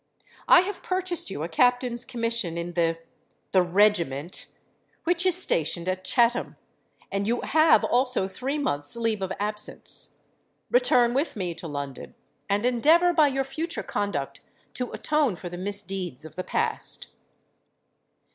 I have purchased you a Captain's commission in the—the regiment, which is stationed at Chatham; and you have also three months' leave of absence. Return with me to London; and endeavour by your future conduct to atone for the misdeeds of the past.'